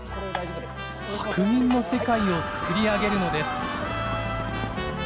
白銀の世界を作り上げるのです。